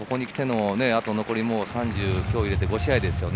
あと残り３０、今日を入れて５試合です。